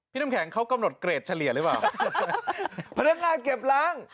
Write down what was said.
พี่น้ำแข็งเขากำหนดเกรดเฉลี่ยหรือเปล่า